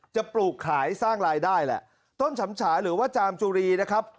ปลูกขายสร้างรายได้แหละต้นฉำฉาหรือว่าจามจุรีนะครับ